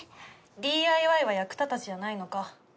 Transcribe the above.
ＤＩＹは役立たずじゃないのか？